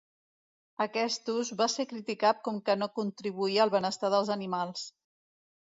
Aquest ús va ser criticat com que no contribuïa al benestar dels animals.